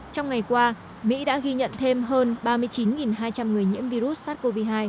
trong ngày qua mỹ đã ghi nhận thêm hơn ba mươi chín hai trăm linh người nhiễm virus sars cov hai